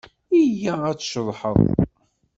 Iyya ad tceḍḥeḍ!